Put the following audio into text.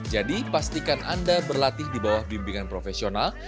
jadi pastikan anda berlatih di bawah bimbingan profesional